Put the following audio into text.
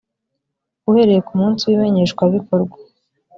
uhereye ku munsi w ‘imenyeshwabikorwa.